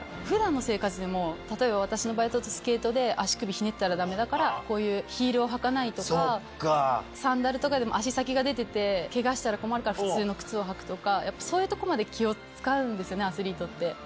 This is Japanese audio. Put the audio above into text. ふだんの生活でも、例えば私の場合だと、スケートで足首ひねったらだめだから、こういうヒールを履かないとか、サンダルとかでも足先が出てて、けがしたら困るから普通の靴を履くとか、やっぱそういうとこまで気を遣うんですよね、アスリートって。